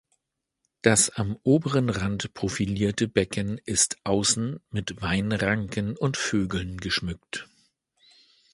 Das am oberen Rand profilierte Becken ist außen mit Weinranken und Vögeln geschmückt.